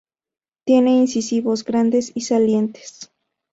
Tiene incisivos grandes y salientes.